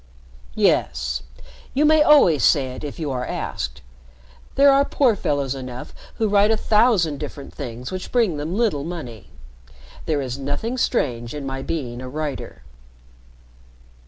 "Yes. You may always say it if you are asked. There are poor fellows enough who write a thousand different things which bring them little money. There is nothing strange in my being a writer."